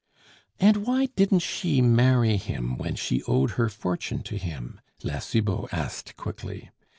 "And why didn't she marry him when she owed her fortune to him?" La Cibot asked quickly.